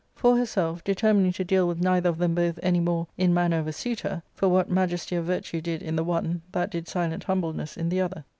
For herself, determining to deal with neither of them both any more in manner of a suitor ; for what majesty of virtue did in the one that did silent humbleness in the other.